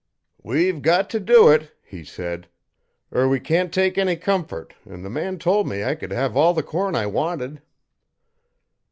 'We've got to do it,' he said, 'er we can't take any comfort, an' the man tol' me I could have all the corn I wanted.'